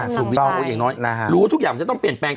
สูงวินต่ออย่างน้อยอ่าฮะรู้ว่าทุกอย่างมันจะต้องเปลี่ยนแปลง